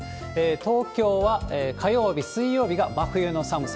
東京は火曜日、水曜日が真冬の寒さ。